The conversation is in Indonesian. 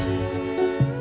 aku ingin menikahi